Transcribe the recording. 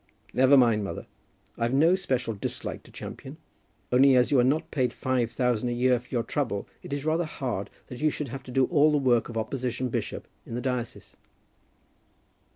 "Never mind, mother. I've no special dislike to Champion; only as you are not paid five thousand a year for your trouble, it is rather hard that you should have to do all the work of opposition bishop in the diocese."